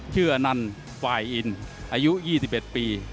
อันนั้นฝ่ายอินอายุ๒๑ปี